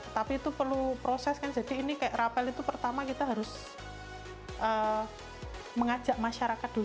tapi itu perlu proses kan jadi ini kayak rapel itu pertama kita harus mengajak masyarakat dulu